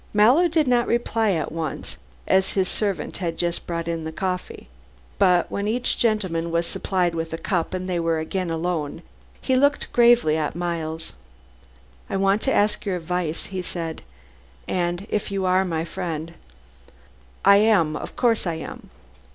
Mallow did not reply at once, as his servant had just brought in the coffee. But when each gentleman was supplied with a cup and they were again alone, he looked gravely at Miles. "I want to ask your advice," he said, "and if you are my friend " "I am, of course I am."